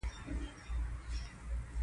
بزګان د افغانستان د ملي هویت نښه ده.